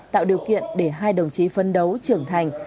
tạo điều kiện để hai đồng chí phấn đấu trưởng thành